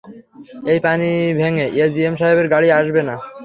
এই পানি ভেঙে এজিএম সাহেবের গাড়ি আসূবে না।